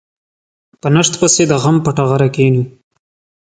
په نشت پسې د غم په ټغره کېنو.